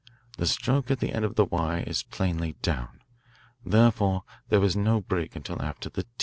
The stroke at the end of the 'y' is plainly down. Therefore there is no break until after the 't.'